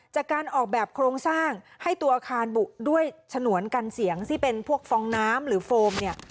จากการออกแบบโครงสร้างให้ตัวอาคารบุด้วยฉนวนกันเสียงที่เป็นพวกฟองน้ำหรือโฟมเนี่ย